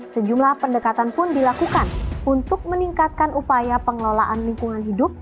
sejumlah pendekatan pun dilakukan untuk meningkatkan upaya pengelolaan lingkungan hidup